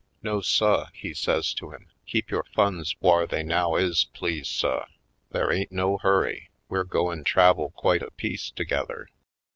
"No, suh," he says to him, "keep yore funds v/har they now is, please, suh. There ain't no hurry — ^we're goin' travel quite a piece together.